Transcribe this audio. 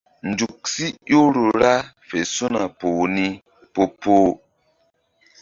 Nzuk si ƴohro ra fe su̧na poh ni po-poh.